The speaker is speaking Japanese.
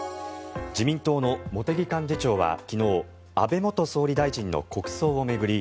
自民党の茂木幹事長は昨日安倍元総理大臣の国葬を巡り